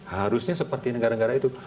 harusnya seperti negara negara itu